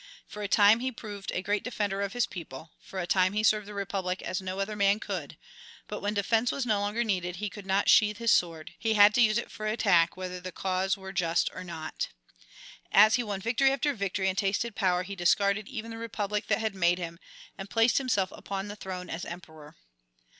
For a time he proved a great defender of his people, for a time he served the Republic as no other man could; but when defense was no longer needed he could not sheathe his sword, he had to use it for attack whether the cause were just or not. As he won victory after victory and tasted power he discarded even the Republic that had made him, and placed himself upon the throne as Emperor.